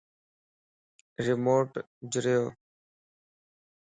ريموٽ جريوَ